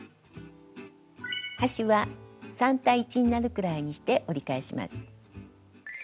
端は３対１になるくらいにして折り返します。